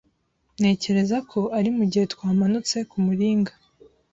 Ntekereza ko ari mugihe twamanutse kumuringa.